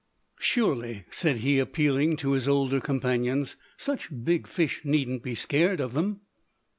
"Surely," said he, appealing to his older companions, "such big fish needn't be scared of them?"